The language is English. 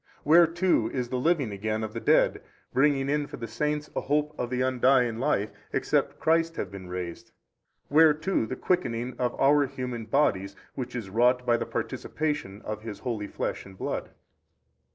where too is the living again of the dead, bringing in for the saints a hope of the undying life, except Christ have been raised? where too the quickening of our human bodies, which is wrought by the participation of His holy Flesh and Blood?